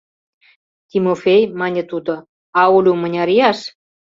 — Тимофей, — мане тудо, — а Олю мыняр ияш?